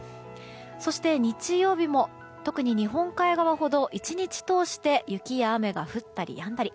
そして日曜日も特に日本海側ほど１日通して雪や雨が降ったりやんだり。